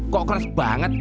kok keras banget